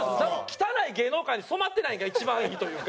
汚い芸能界に染まってないんが一番いいというか。